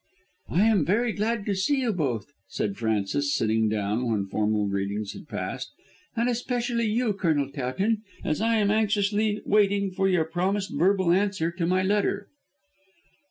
"I am very glad to see you both," said Frances, sitting down when formal greetings had passed, "and especially you, Colonel Towton, as I am anxiously waiting for your promised verbal answer to my letter."